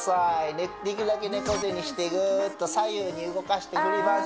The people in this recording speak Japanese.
できるだけ猫背にしてぐーっと左右に動かして振ります